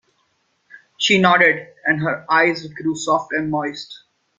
She nodded, and her eyes grew soft and moist.